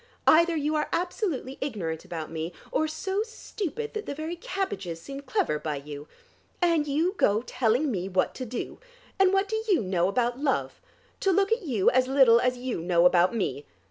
Either you are absolutely ignorant about me, or so stupid that the very cabbages seem clever by you. And you go telling me what to do! And what do you know about love? To look at you, as little as you know about me.